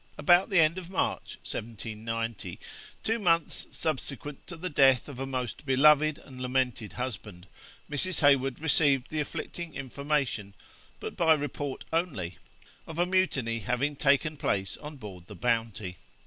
About the end of March, 1790, two months subsequent to the death of a most beloved and lamented husband, Mrs. Heywood received the afflicting information, but by report only, of a mutiny having taken place on board the Bounty.